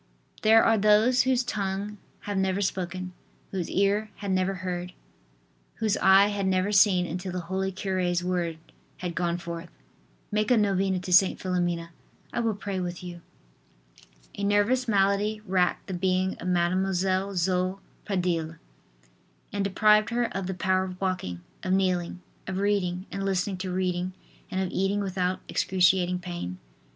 There are those whose tongue had never spoken, whose ear had never heard, whose eye had never seen until the holy cure's word had gone forth: "Make a novena to St. Philomena; I will pray with you." A nervous malady racked the being of Mademoiselle Zoe Pradille and deprived her of the power of walking, of kneeling, of reading and listening to reading and of eating without excruciating pain.